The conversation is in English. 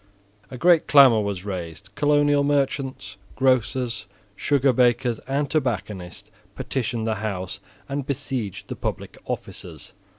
A great clamour was raised Colonial merchants, grocers, sugar bakers and tobacconists, petitioned the House and besieged the public offices.